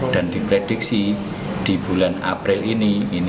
dan di prediksi di bulan april ini